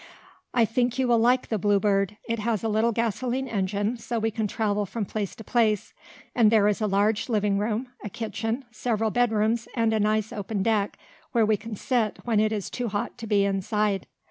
"I think you will like the Bluebird. It has a little gasoline engine, so we can travel from place to place. And there is a large living room, a kitchen, several bed rooms and a nice open deck, where we can sit, when it is too hot to be inside."